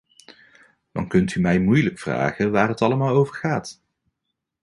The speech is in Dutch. Dan kunt u mij moeilijk vragen waar het allemaal over gaat.